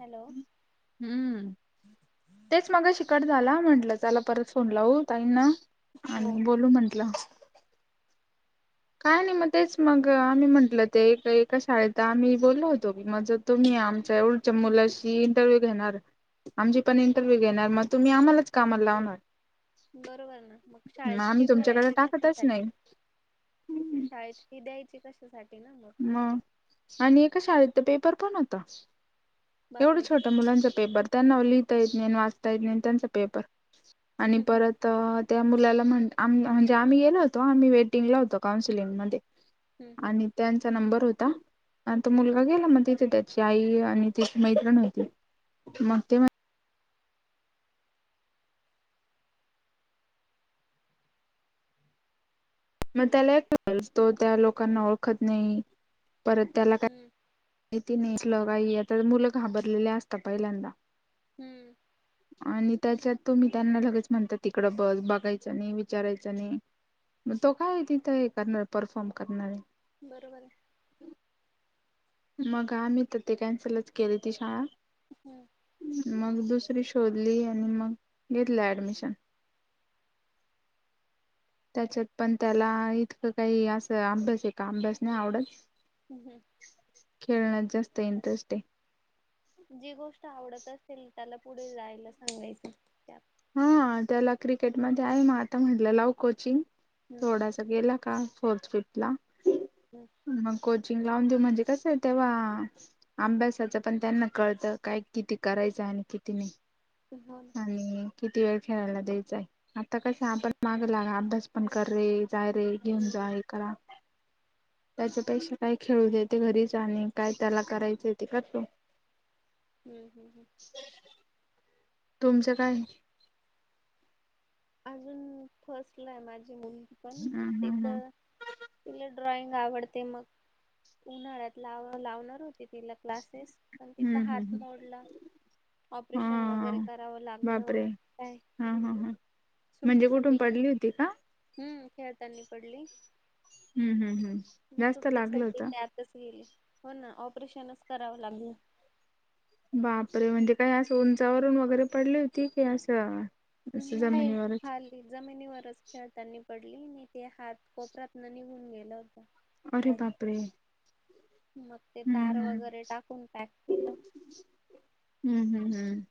Hello हम्म, तेच मगाशी कट झाला. म्हंटलं चला परत फोन लावू ताईंना हो. आणि बोलू म्हंटलं. काय नाही. मग तेच मग आम्ही म्हटलं ते एका शाळेत आम्ही बोललो होतो की मज तुम्ही आमच्या एवढच्या मुलाशी इंटरव्ह्यू घेणार. आमची पण इंटरव्ह्यू घेणार मग तुम्ही आम्हालाच कामाला लावणार. बरोबर ना. मग शाळेत आम्ही फी तुमच्याकडे भरायचे टाकतच कशासाठी? नाही शाळेत फी द्यायची कशासाठी? ना मग मग आणि एका शाळेत तर पेपर पण होता. एवढं बापरे छोटं मुलांचा पेपर त्यांना लिहिता येत नाही, वाचता येत नाही त्यांचा पेपर. आणि हम्म परत ते मुलाला म्हण आम आम्ही येणार होतो. आम्ही आम्ही वेटिंग ला होतो कैन्सिलिंग मध्ये. हम्म आणि त्यांचा नंबर होता आणि तो हम्म मुलगा गेला मग तिथे त्याची आई आणि त मैत्रिण होती मग ते मग त्याला एक क तो त्या लोकांना ओळखत नाही. परत त्याला काय हम्म तती नेट ल काही आता मुलं घाबरलेले असतात पहिल्यांदा. हम्म. आणि त्याच्यात तुम्ही त्यांना लगेच म्हणतात तिकडं बस बघायचं नाही, विचारायचं नाही. मग तो काय तिथं हे करणार परफॉर्म करणारे? बरोबर आहे. मग आम्ही तर ते कॅन्सलच केली ती शाळा, हम्म मग दुस शोधली आणि मग घेतला ऍडमिशन. त्याच्यात पण त्याला इतकं काही असं अभ्यास आहे का अभ्यास नाही आवडत. हम्म हम्म. खेळण्यात जास्त इंटरेस्ट आहे. जी गोष्ट आवडत असेल त्याला पुढे जायला सांगायच त्यात. हा त्याला क्रिकेटमध्ये आहे, मग आता म्हटलं लाव कोचिंग. हम्म थोडासा गेला का फोर्थ, फिफ्थ ला हम्म मग को लावून देऊ म्हणजे कस तेव्हा अभ्यासाच पण त्यांना कळतं काय किती करायचं? आणखी त नाही. हो ना. आणि किती वेळ खेळायला द्यायचां आहे, आता कसं आपण माग ला अभ्यास पण कर रे. जायरे, घेऊन हम्म जा हे करा. त्याच्यापेक्षा काय खेळू देते घरीच आणि काय त्याला करायचं येते का तो. हम्म हम्म हम्म. तुमचं काय? अजून फसलंय माझी मुम्मी पण ह ह तिथं तिला ड्रॉइंग आवडते मग उन्हाळ्यात लाव लावणार होती पण तिला क्लासेस पण तिचा हम्म हात हम्म मोडला. ऑपरेशन वगैरे हा करावं लागलं म बापरे काय? हा हा हा सुट्टी म्हणजे कुठून सगळी पडली होती का? हम्म खेळतानी पडली? हम्म हम्म हम्म. मग जास्त सुट्टी लागलं सगळी होतं. त्यातच गेली. हो ना. ऑपरेशनच करावं लागल. बापरे म्हणजे काय अस उंचावरून वगैरे पडली होती की असं असं नाही. जमिनीवरच खाली जमिनीवरच खेळतानी. पडली नाही ते हात कोपरातन निघून गेलं. अरे हाड बाप रे! मग ते तार वगैरे टाकून पॅक केलं. हम्म हम्म हम्म.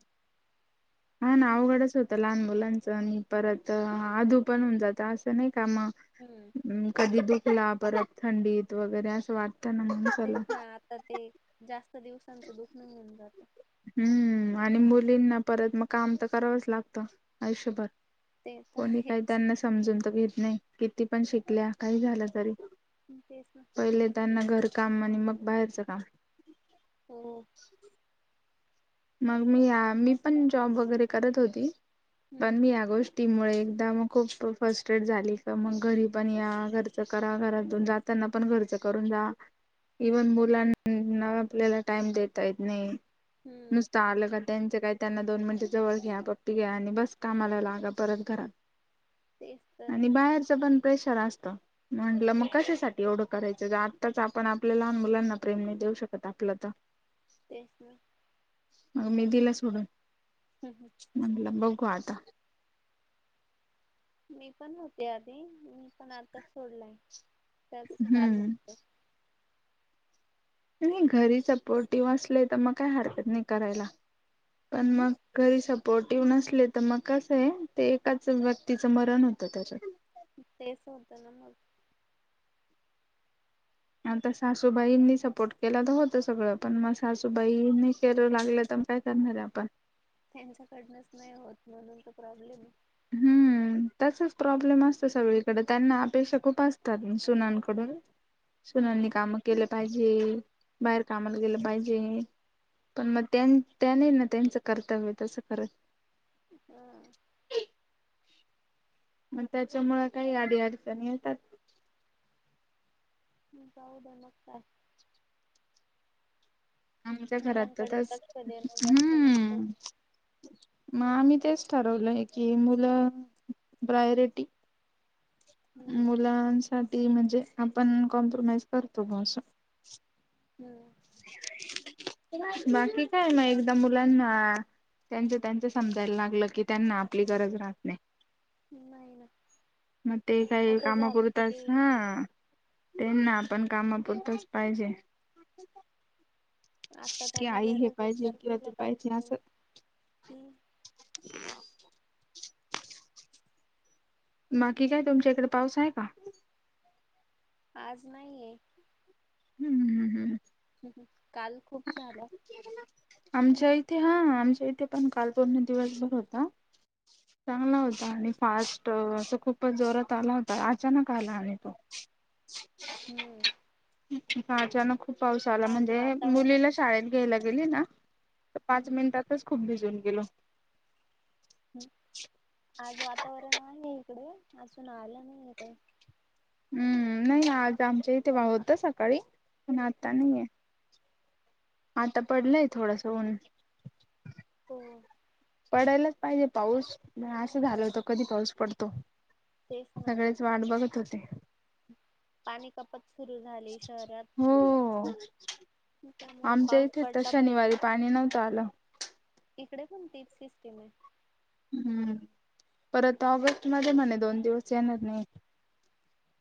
हा ना अवघडच होतं लहान मुलांच आणि परत आधू पण होऊन जात असं नाही का हम्म मग कधी दुखला परत थंडीत वगैरे असं वाट तेच ना आता ते जास्त दिवसांचं दुखण नाही घेऊन जात. हूम्म आणि मुलींना परत मग, काम तर करावंच लागतं आयुष्यभर ते तर कोणी काही आहेच त्यांना समजून तर घेत नाही. किती पण शिकल्या? काही झालं तरीही तेच ना पहिले त्यांना घर काम आणि मग बाहेरचं काम. हो. मग मी आ मी पण जॉब वगैरे करत होती, पण हम्म मी या गोष् ष्टी मुळे, एकदा मग खूप फस्ट्रेट झाली का मग? घरी पण या घरचं करा घरातून जाता ना पण खर्च करून जा, हम्म इव्हन मुलांना आपल्याला टाइम देता येत नाही. हम्म नुसतं आलं का त्यांचं काय त्यांना दोन मिनिटे जवळ घ्या, पप्पी घ्या, आणि बस कामाला लागा परत घरात. तेच तर आणि बाहेरचं पण प्रेशर असतं, म्हटलं मग कशासाठ ठी एवढं करायचं गं, आत्ताच आपण आपल्या लहान मुलांना प्रेम नाय देऊ शकत, आपलं तर तेच ना. मग मी दिलं सोडून, ना म्हटलं ब घु आता. मी पण होते आधी मी पण आता सोडलाय, त्याच हम्म कारण [unintelligible] नाही घरी सपोर्टिव्ह असले तर मग काही हरकत नाही करायला. पण हम्म मग घरी सप पोर्टिव्ह नसले तर मग कसंय, ते एकाच व्यक्तीच मरण होतं त्याच्यात. तेच होतं ना मग. आता सासूबाईंनी सपोर्ट केला तर होतं सगळं, पण मग सासूबाईनी केलं लागलं तर पण काय करणार आहे आपण? त्यांच्याकडनच नाही होत म्हणून तर प्रॉब्लेम हाय. हम्म हम्म, त्याचाच प्रॉब्लेम असते सगळीकडे, त्यांना अपेक्षा खूप असतात सुनांकडून. सुनांनी कामं केलं पाहिजे, बाहेर कामाला गेलं पाहिजे. पण मग त्यां त्यानी ना त्यांचं कर्तव्य तसं करत हा मग त्याच्यामुळं काही अडी अडचणी येतात. जाऊद्या मग काय. आमच्या घरात त मुलांकडे लक्ष तसं, देणं जास्त महत्वाच हम्म. मग आम्ही तेच ठरवलंय की मुलं. प्रायोरिटी. हम्म मुलांसाठी म्हणजे आपण कॉम्प्रोमाइज करतो. ग असं. हम्म बाकी काय मग एकदा मुलांना? त्यांच-त्यांच समजायला लागलं. की त्यांना आपली गरज राहत नाही. नाही ना. मग ते काही मोठे झाल कामापुरतचं.. किती ह त्यांना आपण कामापुरतच पाहिजे. आता की त्यांना आई हे गरज आहे. पाहिजे तर किंवा दिल ते पाहिजे. असं. हम्. बाकी काय तुमच्या इकडे पाऊस आहे का? आज नाहीये. हुं. हुं. हुं. ह. ह काल खूप झाला. आमच्या इथे हा. आमच्या इथे पण काल पूर्ण दिवसभर होता. चांगला होता. आणि फास्ट. असं खूपच जोरात आला होता अचानक आला आणि तो. [unintelligible] हुं. हा अचानक खूप पाऊस आला. म्हणजे वातावरण मुलीला शाळेत घ्यायला गेली ना. तर हम्म, पाच मिनिटातच खूप भिजून गेलो. हम आज वातावरण आहे इकडे. अजून आलं नाही आहे काय. हुं नाही आज आमच्या इथे बा होतं सकाळी. पण आता नाही आहे. आता पडलंय थोडस ऊन. हो पडायलाच पाहिजे पाऊस, नाय झालं होतं कधी पाऊस पडतो? तेच ना सगळेच वाट बघत होते. पाणी कपात सुरु झाली शहरात. हो त्यामुळे आमच्या पाऊस इथे तर पडला पाहिजे शनिवारी पाणी नव्हतं आलं. इकडे पण तीच सिस्टीम आहे. हम्म परत ऑगस्ट मध्ये म्हणे दोन दिवस येणार नाही.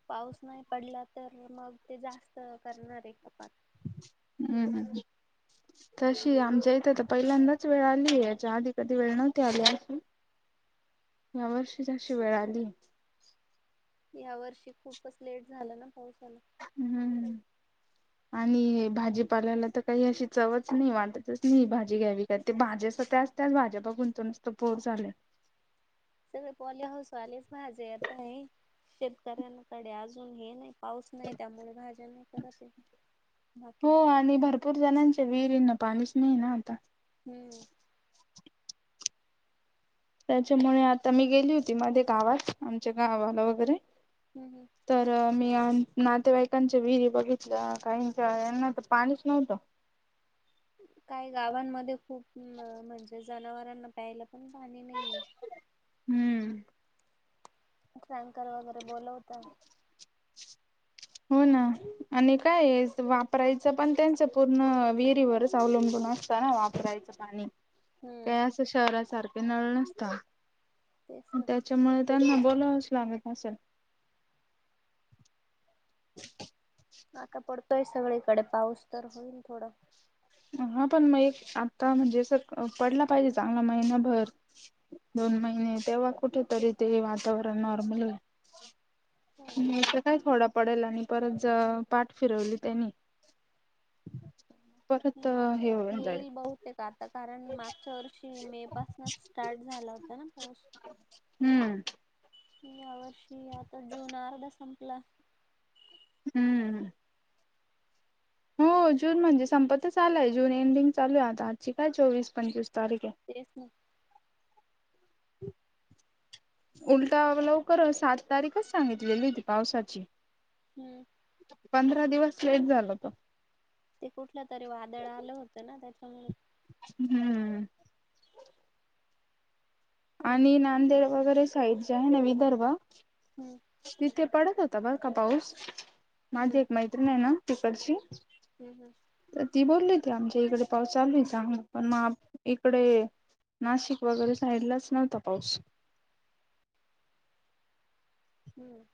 पाऊस नाही पडला तर मग ते जास्त करणार आहे कपात. हम हम हम तशी आमच्या इथं तर पहिल्यांदाच वेळ आलीय याच्या आधी कधी वेळ नव्हती आली अशी. यावर्षीच अशी वेळ आलीये. या वर्षी खूपच लेट झाला ना पावसाला हम्म [inaudible] आणि भाजीपाल्याला तर काही अशी चवच नाही वाटतच नाही भाजी घ्यावी का ते भाज्या तर त्या अश्या त्याच भाज्या बघून तर नुसतं बोर झालंय. सगळे पॉली हाऊस वालेच भाजी येतं आहे, शेतकऱ्यांकडे अजून हे नाही पाऊस नाही त्यामुळे भाज्या नाही करत आहे, हो बाकी आणि भरपूर जणांच्या विहिरींना पाणीच नाही ना आता. हम त्याच्यामुळे आता मी गेली होती मध्ये गावात, आमच्या गावाला वगैरे हम हम तर मी आन नातेवाईकांचे विहिरी बघितलं काहीच्या यांना तर पाणीच नव्हतं. [inaudible] काय गावांमध्ये खूप म म्हणजे जनावरांना प्यायला पण पाणी नाहीये. हम्म. टँकर वगैरे बोलवता. हो ना, आणि काय वापरायचं पण त्यांच पूर्ण विहिरीवरच अवलंबून नसतं ना वापरायचं पाणी हम्म काही असं शहरासारखे नळ नसतात, तेच ना त्याच्यामुळे त्यांना बोलावंच लागत असेल. आता पडतोय सगळीकडे पाऊस तर होईल थोडं हा पण मग एक आता म्हणजे स पडला पाहिजे चांगला महिनाभर दोन महिने तेव्हा कुठेतरी ते वातावरण नॉर्मल होई नाही तर काय थोडा पडेला आणि परत ज पाठ फिरवली त्यानी नाही येईल बहुतेक आता कारण मागच्या वर्षी मे पासनंच स्टार्ट झाला होता ना पाऊस हम्म या वर्षी आता जून अर्धा संपला. हम्म हो जून म्हणजे संपतच आलाय जून एंडिंग चालू आहे आता आजची काय चोवीस, पंचवीस तारीख आहे तेच ना [inaudible] उलटा लवकर सात तारीखच सांगितलेली होती पावसाची. हम्म पंधरा दिवस लेट झाला तो. ते कुठलं तरी वादळ आलं होतं ना त्या हम्म आणि नांदेड वगैरे साइड जे आहे ना विदर्भ, हम्म तिथे पडत होत त बर का पाऊस, माझी हम्म एक मैत्रिणी आहे ना तिकडची हम्म हम्म तर ती बोलली ते आमच्या इकडे पाऊस चालू आहे चांग हां पण मग इकडे नाशिक वगैरे साईडलाच नव्हता पाऊस हम्म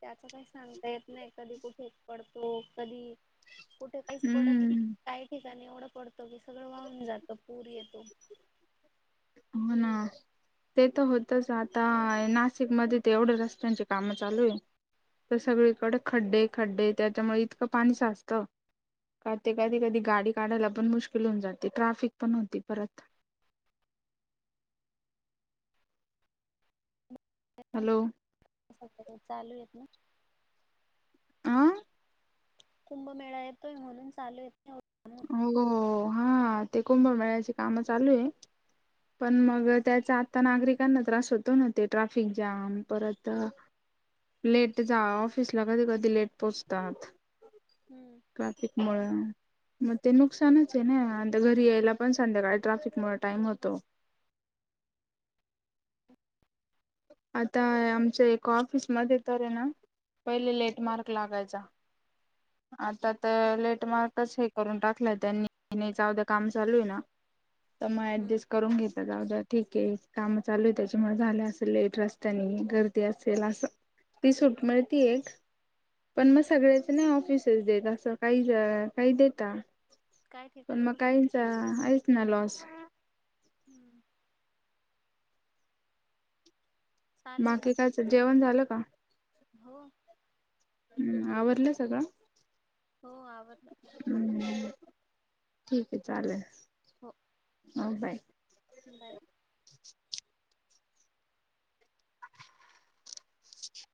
त्याच काही सांगता येत नाही कधी कुठे पडतो कधी कुठे काहीच पडत नाही हम्म काही एवढं पडतो की सगळं वाहून जात पूर येतो हो ना ते तर होतच आता नाशिक मध्ये ते एवढ्या रस्त्यांची कामं चालू आहे तर सगळीकडे खड्डे, खड्डे त्याच्यामुळे इतकं पाणी साचतं क ते कधी, कधी गाडी काढायला पण मुश्किल होऊन जाते ट्राफिक पण होती परत [inaudible] हॅलो चालू आहेत ना आह कुंभमेळा येतोय म्हणून चालू येत हो हा ते कुंभमेळ्याची काम चालू आहे पण मग त्याचा आता नागरिकांना त्रास होत न ते ट्राफिक जाम परत लेट जा ऑफिसला कधी कधी लेट पोहोचतात हम्म ट्राफिक मुळ मग ते नुकसानच आहे ना घरी यायला पण संध्याकाळी ट्राफिक मुळ टाइम होतो [inaudible] आता आमच एका ऑफिस मध्ये तर आहे ना पहिले लेंट मार्क लागायचा आता हम्म तर लेटमार्कच हे करून टाकलंय त्यांनी नाहीच अवदं काम चालू आहे ना तर मग हम्म. ऍडजस्ट करून घेत जाऊ जा ठीके काम चालू आहे त्याच्यामुळे झालं असं लेट रस्त्याने गर्दी असेल असं ती सुट मिळती हो, एक, पण मग सगळ्याच नाही ऑफिस च देत असं काही काही देता काय पण ठिकाणी मग खूप काहीचा स्ट्रिक्ट आहेच ना लॉस हम्म. चालेल बाकी कायच जेवण झालं का? हो. हम्म, आवरलं सगळं? हो, आवरलं. ठीक आहे, चालेल. हो. ह, बाय. बाय.